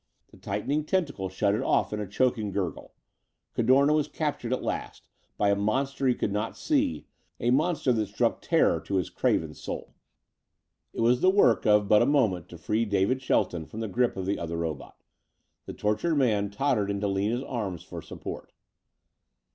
The tightening tentacle shut it off in a choking gurgle. Cadorna was captured at last by a monster he could not see, a monster that struck terror to his craven soul. It was the work of but a moment to free David Shelton from the grip of the other robot. The tortured man tottered into Lina's arms for support.